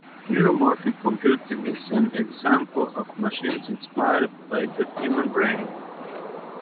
Neuromorphic computing is an example of machines inspired by the human brain.